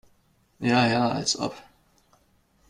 Ja ja, als ob!